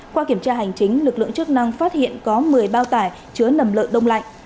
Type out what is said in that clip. qua kiểm tra hành chính lực lượng chức năng phát hiện có một mươi bao tải chứa nầm lợn đông lạnh